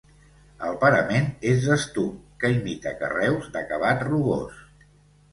El parament és d'estuc que imita carreus d'acabat rugós.